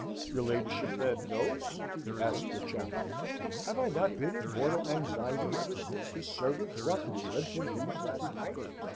"Your ladyship, then, knows?" asked the chaplain. "Have I not been in mortal anxiety ever since his servant brought the dreadful news last night?"